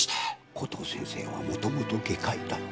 コトー先生はもともと外科医だろ。